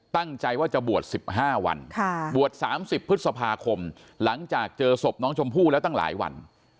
ตั้งใจว่าจะบวช๑๕วันบวช๓๐พฤษภาคมหลังจากเจอศพน้องชมพู่แล้วตั้งหลายวัน